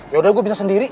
ya udah gue bisa sendiri